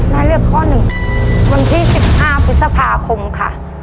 แม่เลือกข้อหนึ่งวันที่สิบห้าพฤษภาคมค่ะ